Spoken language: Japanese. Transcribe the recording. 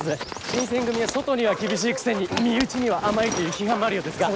新選組は外には厳しいくせに身内には甘いという批判もあるようですが。